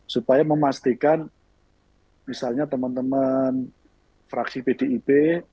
supaya memastikan misalnya teman teman fraksi pdip